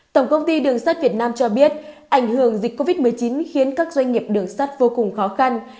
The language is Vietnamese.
tổng công ty đường sắt việt nam cho biết ảnh hưởng dịch covid một mươi chín khiến các doanh nghiệp đường sắt vô cùng khó khăn